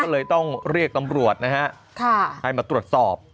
ก็เลยต้องเรียกตำรวจนะฮะให้มาตรวจสอบ